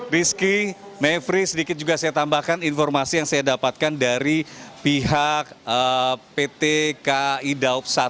rizky mevri sedikit juga saya tambahkan informasi yang saya dapatkan dari pihak pt kai daup satu